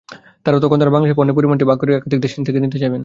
তখন তাঁরা বাংলাদেশের পণ্যের পরিমাণটি ভাগ করে একাধিক দেশ থেকে নিতে চাইবেন।